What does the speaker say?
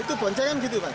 itu boncengan gitu kan